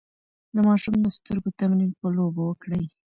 د ماشوم د سترګو تمرين په لوبو وکړئ.